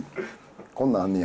こんなんあんねや。